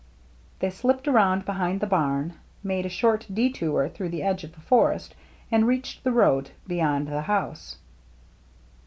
They slipped around behind the barn, made a short detour through the edge of the forest, and reached the road beyond the house.